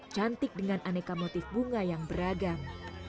cantik dengan aneka motif bunga yang beragam